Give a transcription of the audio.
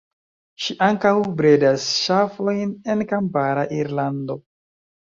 Ŝi ankaŭ bredas ŝafojn en kampara Irlando.